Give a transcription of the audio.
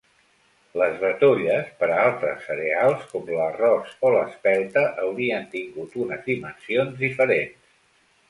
Les batolles per a altres cereals, com l'arròs o l'espelta, haurien tingut unes dimensions diferents.